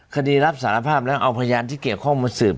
คดีรับสารภาพแล้วเอาพยานที่เกี่ยวข้องมาสืบ